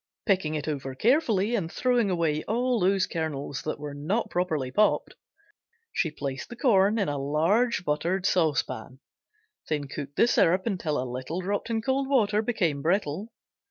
Picking it over carefully and throwing away all those kernels that were not properly popped, she placed the corn in a large buttered saucepan, then cooked the syrup until a little dropped in cold water became brittle.